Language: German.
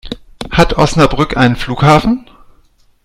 Hat Osnabrück einen Flughafen?